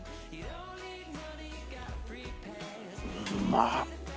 うまっ！